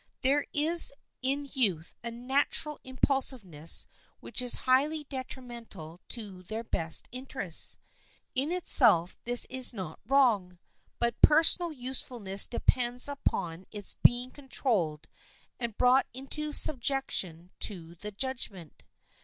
There is in youth a natural impulsiveness which is highly detrimental to their best interests. In itself this is not wrong; but personal usefulness depends upon its being controlled and brought into subjection to the judgment.